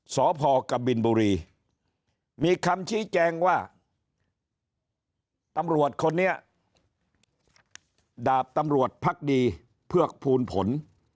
สพกบินบุรีมีคำชี้แจงว่าตำรวจคนนี้ดาบตำรวจพักดีเผือกภูลผล